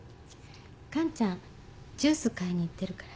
完ちゃんジュース買いに行ってるから。